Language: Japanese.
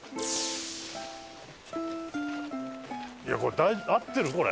いやこれ合ってる？